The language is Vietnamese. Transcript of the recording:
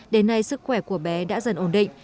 đến nay sức khỏe của bé đã dần ổn định